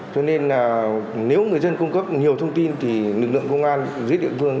cho nên là nếu người dân cung cấp nhiều thông tin thì lực lượng công an dưới địa phương